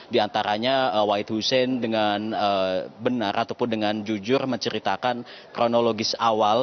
di antaranya wahid hussein dengan benar ataupun dengan jujur menceritakan kronologis awal